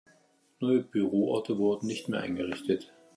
Neue Büro-Orte wurden nicht mehr eingerichtet.